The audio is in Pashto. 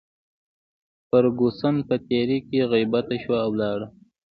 فرګوسن په تیارې کې غیبه شوه او ولاړه.